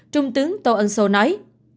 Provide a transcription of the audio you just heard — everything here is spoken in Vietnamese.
trung tướng tô ân sô nói